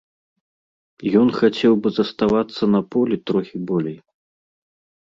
Ён хацеў бы заставацца на полі трохі болей.